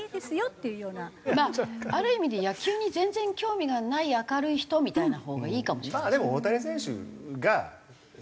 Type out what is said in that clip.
まあある意味で野球に全然興味がない明るい人みたいなほうがいいかもしれないですね。